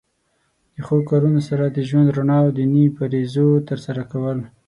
د ښو کارونو سره د ژوند رڼا او د دینی فریضو تر سره کول.